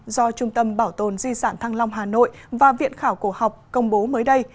do trung tâm bảo tồn di sản thăng long hà nội và viện khảo cổ học công bố mới đây